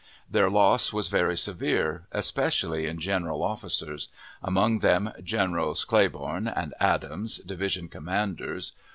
Their loss was very severe, especially in general officers; among them Generals Cleburn and Adams, division commanders.